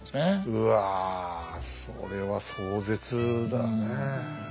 うわそれは壮絶だねえ。